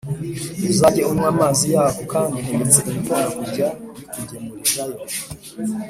Uzajye unywa amazi yako, kandi ntegetse ibikona kujya bikugemurirayo